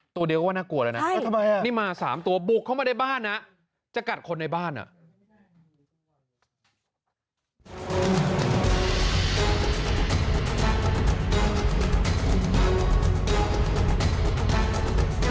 ตัวเดียวก็ว่าน่ากลัวแล้วนะนี่มา๓ตัวบุกเข้ามาในบ้านนะจะกัดคนในบ้านอ่ะ